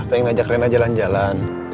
pengen ajak rena jalan jalan